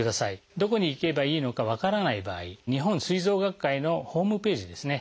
どこに行けばいいのか分からない場合日本膵臓学会のホームページですね